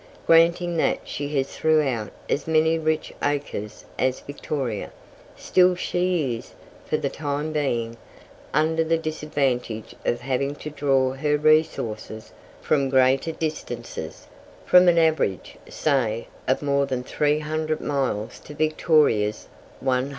Granting that she has throughout as many rich acres as Victoria, still she is, for the time being, under the disadvantage of having to draw her resources from greater distances from an average, say, of more than 300 miles to Victoria's 100.